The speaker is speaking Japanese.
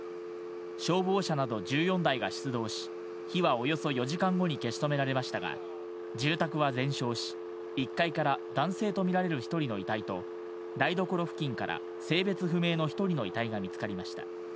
消防車など１４台が出動し、火はおよそ４時間後に消し止められましたが、住宅は全焼し、１階から男性と見られる１人の遺体と、台所付近から性別不明の１人の遺体が見つかりました。